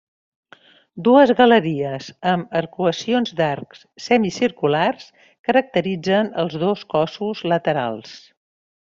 Dues galeries amb arcuacions d'arcs semicirculars caracteritzen els dos cossos laterals.